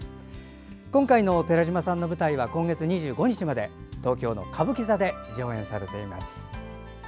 今回の寺島さんの舞台は今月２５日まで東京の歌舞伎座で上演されています。